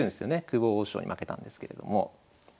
久保王将に負けたんですけれども。